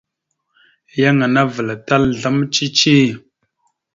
Yan ana avəlatal azlam cici.